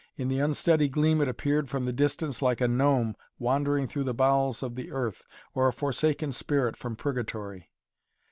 In the unsteady gleam it appeared from the distance like a gnome wandering through the bowels of the earth, or a forsaken spirit from purgatory.